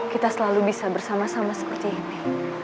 kita selalu bisa bersama sama seperti ini